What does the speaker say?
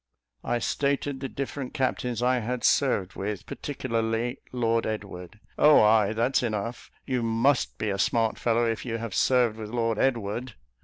I stated the different captains I had served with, particularly Lord Edward. "Oh, ay, that's enough; you must be a smart fellow, if you have served with Lord Edward."